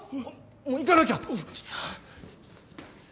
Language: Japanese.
行かなきゃ！